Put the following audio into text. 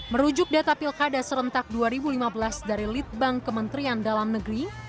merujuk data pilkada serentak dua ribu lima belas dari litbang kementerian dalam negeri